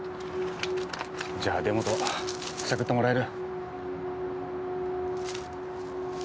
じゃあ出元探ってもらえる？